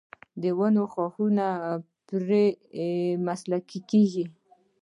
د ونو شاخه بري مسلکي کیږي.